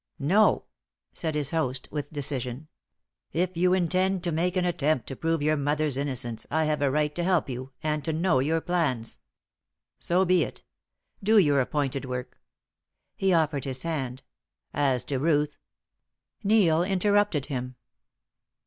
"No," said his host, with decision. "If you intend to make an attempt to prove your mother's innocence, I have a right to help you, and to know your plans. So be it. Do your appointed work." He offered his hand. "As to Ruth " Neil interrupted him.